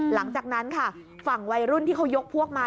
หลังจากนั้นค่ะฝั่งวัยรุ่นที่เขายกพวกมา